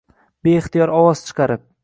Beixtiyor ovoz chiqarib